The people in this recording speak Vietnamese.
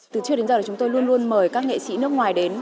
từ trước đến giờ chúng tôi luôn luôn mời các nghệ sĩ nước ngoài đến